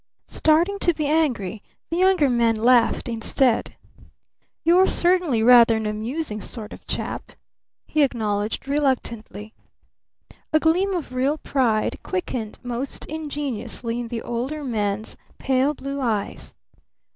Starting to be angry, the Younger Man laughed instead. "You're certainly rather an amusing sort of chap," he acknowledged reluctantly. A gleam of real pride quickened most ingenuously in the Older Man's pale blue eyes.